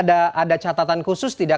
ada catatan khusus tidak